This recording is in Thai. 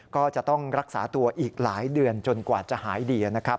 ก็จะต้องรักษาตัวอีกหลายเดือนจนกว่าจะหายดีนะครับ